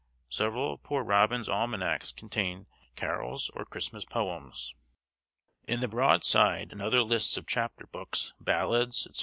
Several of Poor Robin's Almanacs contain carols or Christmas poems. In the broadside and other lists of chap books, ballads, &c.